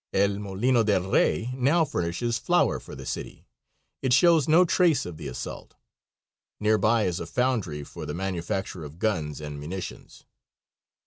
El Molino del Rey now furnishes flour for the city. It shows no trace of the assault. Near by is a foundry for the manufacture of guns and munitions.